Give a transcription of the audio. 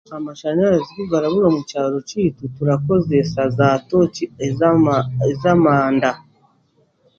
Amashanyarazi kugarabura omu kyaro kyaitu turakozeesa zaatooci ez'ama ez'amanda.